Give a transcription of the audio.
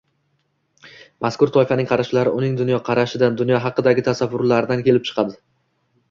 Mazkur toifaning qarashlari uning dunyoqarashidan – dunyo haqidagi tasavvurlaridan kelib chiqadi.